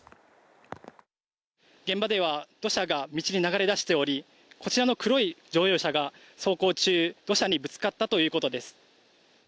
現場では土砂が道に流れ出しておりこちらの黒い乗用車が走行中の車にぶつかったということです